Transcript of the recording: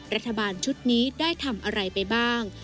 รัฐบาลชุดนี้ได้ทำอะไรไปบ้าง